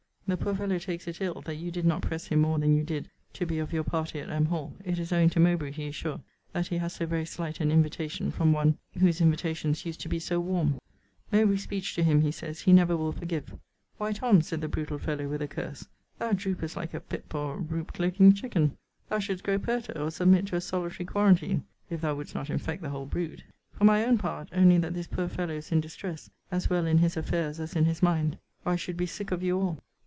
The poor fellow takes it ill, that you did not press him more than you did to be of your party at M. Hall. It is owing to Mowbray, he is sure, that he had so very slight an invitation from one whose invitations used to be so warm. Mowbray's speech to him, he says, he never will forgive: 'Why, Tom,' said the brutal fellow, with a curse, 'thou droopest like a pip or roup cloaking chicken. Thou shouldst grow perter, or submit to a solitary quarantine, if thou wouldst not infect the whole brood.' For my own part, only that this poor fellow is in distress, as well in his affairs as in his mind, or I should be sick of you all.